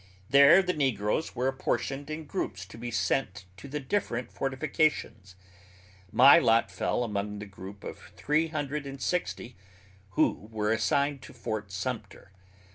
There the negroes were apportioned in groups to be sent to the different fortifications. My lot fell among the group of three hundred and sixty, who were assigned to Fort Sumter.